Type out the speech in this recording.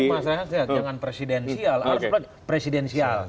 tapi mas rehan jangan presidensial